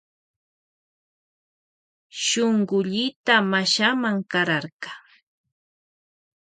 Shunkullita mashama kararka.